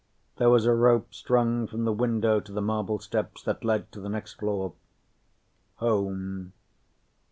There was a rope strung from the window to the marble steps that led to the next floor home.